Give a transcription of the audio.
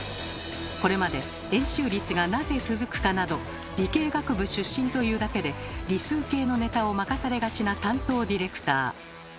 これまで「円周率がなぜ続くか」など理系学部出身というだけで理数系のネタを任されがちな担当ディレクター。